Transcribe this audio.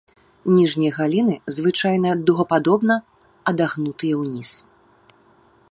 Ніжнія галіны звычайна дугападобна адагнутыя ўніз.